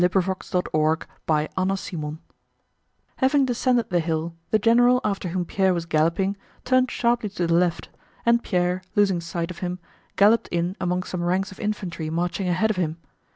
CHAPTER XXXI Having descended the hill the general after whom Pierre was galloping turned sharply to the left, and Pierre, losing sight of him, galloped in among some ranks of infantry marching ahead of him.